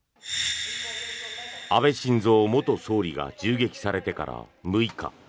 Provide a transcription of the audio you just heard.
安倍晋三元総理が銃撃されてから６日。